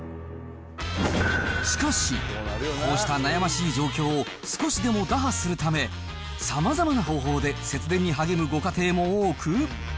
しかし、こうした悩ましい状況を少しでも打破するため、さまざまな方法で節電に励むご家庭も多く。